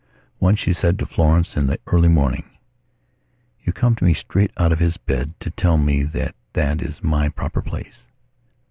Once she said to Florence in the early morning: "You come to me straight out of his bed to tell me that that is my proper place.